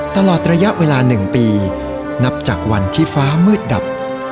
ตลอดระยะเวลา๑ปีนับจากวันที่ฟ้ามืดดับ